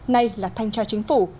nay là thanh tra chính phủ